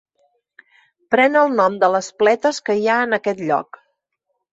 Pren el nom de les pletes que hi ha en aquest lloc.